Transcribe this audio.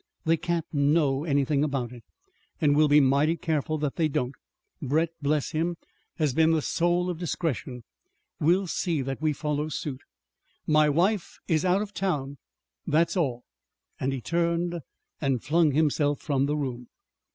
They can't know anything about it. And we'll be mighty careful that they don't. Brett bless him! has been the soul of discretion. We'll see that we follow suit. My wife is out of town! That's all!" And he turned and flung himself from the room.